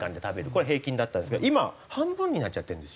これが平均だったんですけど今半分になっちゃってるんですよ。